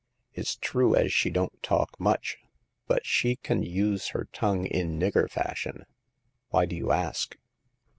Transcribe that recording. It's true as she don't talk much, but she can use her tongue in nigger fashion. Why do you ask?"